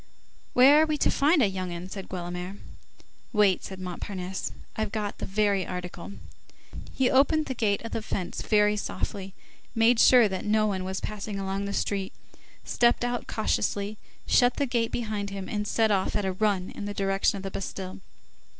"Where are we to find a young 'un?" said Guelemer. "Wait," said Montparnasse. "I've got the very article." He opened the gate of the fence very softly, made sure that no one was passing along the street, stepped out cautiously, shut the gate behind him, and set off at a run in the direction of the Bastille.